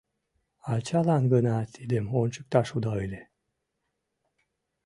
Ачалан гына тидым ончыкташ уда ыле.